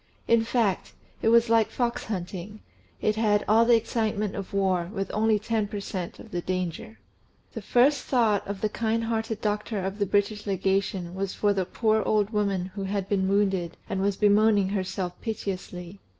In fact, it was like fox hunting: it had "all the excitement of war, with only ten per cent. of the danger." The first thought of the kind hearted doctor of the British Legation was for the poor old woman who had been wounded, and was bemoaning herself piteously.